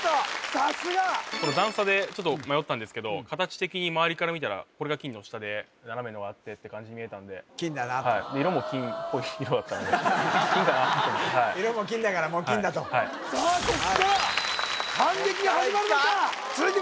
さすがこの段差でちょっと迷ったんですけど形的に周りから見たらこれが金の下で斜めのがあってって感じに見えたんで金だなと色も金っぽい色だったので金かなと色も金だからもう金だとさあこっから反撃が始まるのか？